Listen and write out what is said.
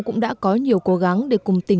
cũng đã có nhiều cố gắng để cùng tiến hành